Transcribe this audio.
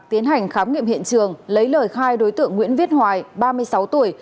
tiến hành khám nghiệm hiện trường lấy lời khai đối tượng nguyễn viết hoài ba mươi sáu tuổi